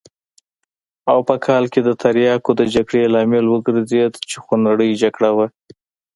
او په کال کې د تریاکو د جګړې لامل وګرځېد چې خونړۍ جګړه وه.